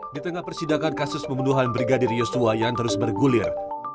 di tengah persidangan kasus pembunuhan brigadir yosua yang terus bergulir